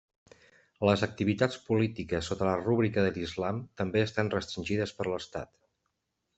Les activitats polítiques sota la rúbrica de l'Islam també estan restringides per l'estat.